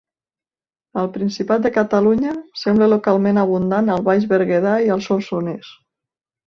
Al Principat de Catalunya sembla localment abundant al baix Berguedà i al Solsonès.